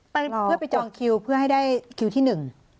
ไปเพื่อไปจองคิวเพื่อให้ได้คิวที่หนึ่ง